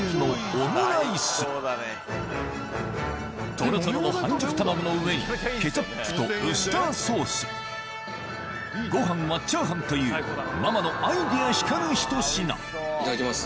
トロトロの半熟卵の上にケチャップとウスターソースご飯はチャーハンというママのアイデア光るひと品いただきます。